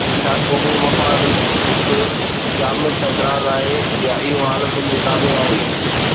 ڇا قومي مفاد هڪ جامد اعتراض آهي يا اهو حالتن جي تابع آهي؟